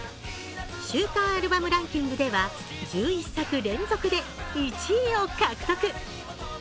週間アルバムランキングでは、１１作連続で１位を獲得。